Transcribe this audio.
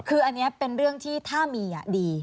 คืออันนี้เป็นเรื่องที่ถ้ามีดี